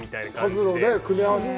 パズルを組み合わせて。